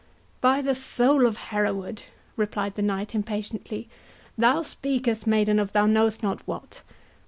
"By the soul of Hereward!" replied the knight impatiently, "thou speakest, maiden, of thou knowest not what.